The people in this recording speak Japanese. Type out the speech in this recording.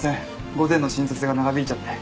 午前の診察が長引いちゃって。